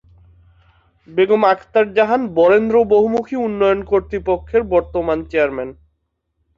বেগম আখতার জাহান বরেন্দ্র বহুমুখী উন্নয়ন কর্তৃপক্ষের বর্তমান চেয়ারম্যান।